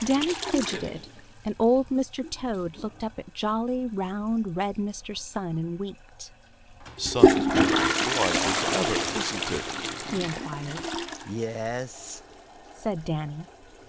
Danny fidgeted, and old Mr. Toad looked up at jolly, round, red Mr. Sun and winked. "Sun is just as bright as ever, isn't it?" he inquired. "Yes," said Danny.